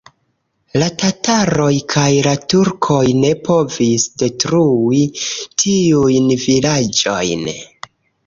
La tataroj kaj la turkoj ne povis detrui tiujn vilaĝojn.